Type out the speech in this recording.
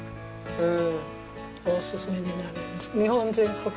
うん。